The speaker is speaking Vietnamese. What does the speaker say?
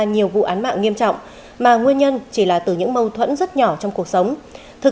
nhiều vụ án mạng nghiêm trọng mà nguyên nhân chỉ là từ những mâu thuẫn rất nhỏ trong cuộc sống thực